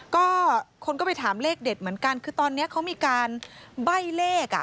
ก็คนก็ไปถามเลขเด็ดเหมือนกันคือตอนนี้เขามีการใบ้เลขอ่ะ